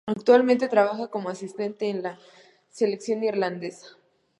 Actualmente trabaja como asistente en la Selección irlandesa.